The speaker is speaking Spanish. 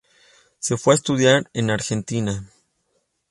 Se fue a estudiar en Argentina.